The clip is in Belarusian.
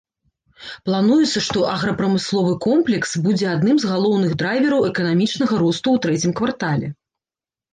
Плануецца, што аграпрамысловы комплекс будзе адным з галоўных драйвераў эканамічнага росту ў трэцім квартале.